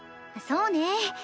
そうね。